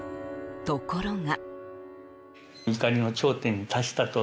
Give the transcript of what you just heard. ところが。